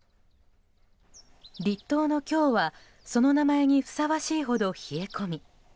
立冬の今日はその名前にふさわしいほど冷え込み。